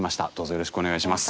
よろしくお願いします。